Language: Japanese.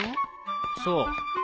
そう。